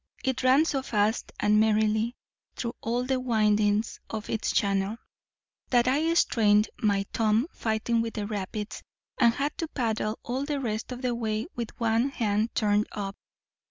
It ran so fast and merrily, through all the windings of its channel, that I strained my thumb, fighting with the rapids, and had to paddle all the rest of the way with one hand turned up.